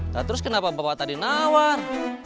nah terus kenapa bawa tadi nawar